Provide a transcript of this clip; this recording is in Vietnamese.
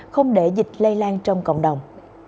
không để dịch lây lan trong cộng đồng